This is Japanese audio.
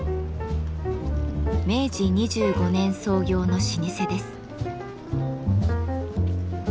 明治２５年創業の老舗です。